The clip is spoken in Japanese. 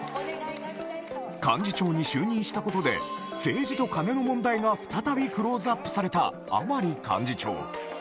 幹事長に就任したことで、政治とカネの問題が再びクローズアップされた甘利幹事長。